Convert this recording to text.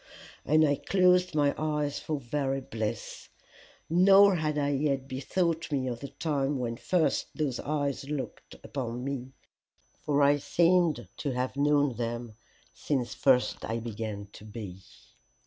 And I closed my eyes for very bliss; nor had I yet bethought me of the time when first those eyes looked upon me, for I seemed to have known them since first I began to be.